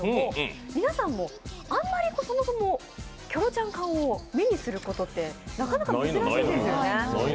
皆さんもあんまりそもそもキョロちゃん缶を目にすることってなかなか珍しいですよね。